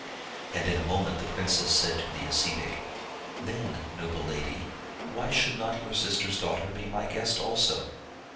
And in a moment the princess said to the ascetic, ' Then, noble lady, why should not your sister's daughter be my guest also?